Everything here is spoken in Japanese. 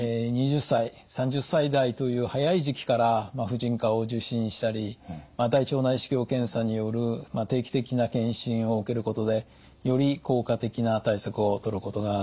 ２０歳３０歳代という早い時期から婦人科を受診したり大腸内視鏡検査による定期的な検診を受けることでより効果的な対策をとることができます。